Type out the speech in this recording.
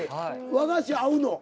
和菓子合うの。